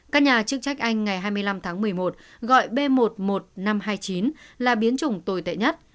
các nhà chức trách anh ngày hai mươi năm tháng một mươi một gọi b một mươi một nghìn năm trăm hai mươi chín là biến chủng tồi tệ nhất